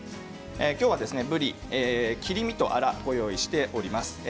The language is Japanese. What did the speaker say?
きょうは、ぶりは切り身とあらを用意しております。